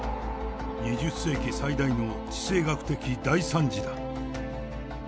２０世紀最大の地政学的大惨事だ。